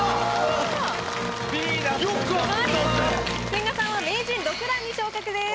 千賀さんは名人６段に昇格です。